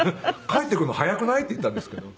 「帰ってくるの早くない？」って言ったんですけど。